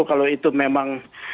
kalau itu memang